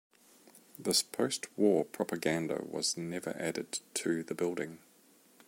This post-war propaganda was never added to the building.